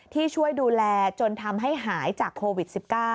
ที่ช่วยดูแลจนทำให้หายจากโควิด๑๙